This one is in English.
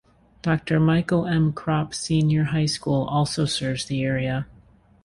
Doctor Michael M. Krop Senior High School also serves the area.